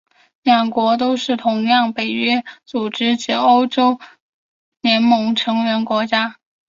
两国都同样是北约组织及欧盟的成员国家。